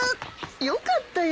よかったよ。